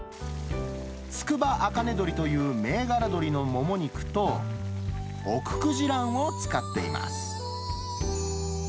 つくばあかねどりという銘柄鶏のもも肉と、おくくじらんを使っています。